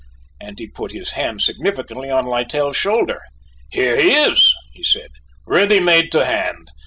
and he put his hand significantly on Littell's shoulder. "Here he is," he said, "ready made to hand.